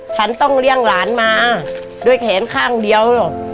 ฉันต้องเลี้ยงหลานมาด้วยแขนข้างเดียว